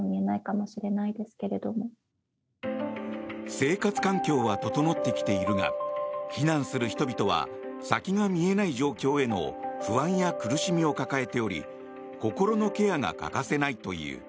生活環境は整ってきているが避難する人々は先が見えない状況への不安や苦しみを抱えており心のケアが欠かせないという。